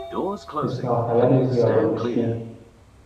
اصلاح طلب زیاده خوشبین